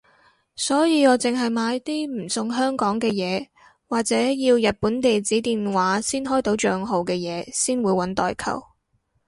所以我淨係買啲唔送香港嘅嘢或者要日本地址電話先開到帳號嘅嘢先會搵代購